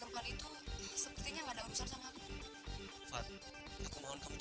tuh piringnya udah tante siapin semua